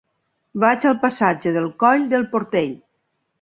Vaig al passatge del Coll del Portell.